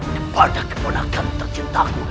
kepada keponakan tercintaku